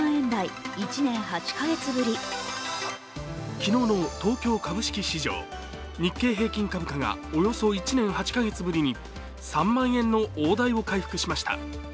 昨日の東京株式市場日経平均株価がおよそ１年８か月ぶりに３万円の大台を回復しました。